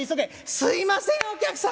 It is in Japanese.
「すいませんお客様！